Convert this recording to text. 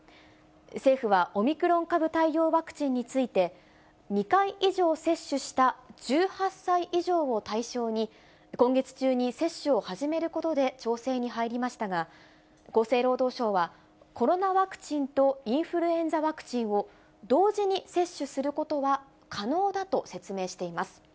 政府はオミクロン株対応ワクチンについて、２回以上接種した１８歳以上を対象に、今月中に接種を始めることで調整に入りましたが、厚生労働省は、コロナワクチンとインフルエンザワクチンを同時に接種することは可能だと説明しています。